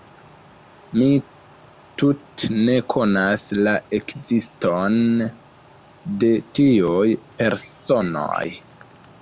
Mi tute ne konas la ekziston de tiuj personoj.